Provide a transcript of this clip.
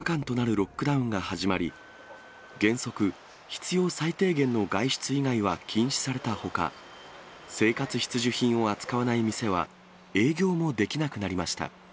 ２２日からは最長で２０日間となるロックダウンが始まり、原則、必要最低限の外出以外は禁止されたほか、生活必需品を扱わない店は、営業もできなくなりました。